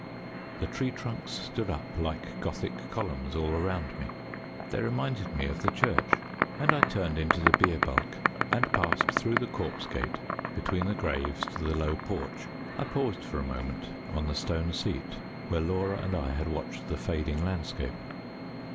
The tree trunks stood up like Gothic columns all around me. They reminded me of the church, and I turned into the bier balk, and passed through the corpse gate between the graves to the low porch. I paused for a moment on the stone seat where Laura and I had watched the fading landscape.